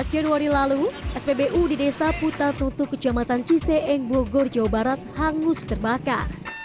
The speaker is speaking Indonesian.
empat januari lalu spbu di desa putatutu kecamatan ciseeng bogor jawa barat hangus terbakar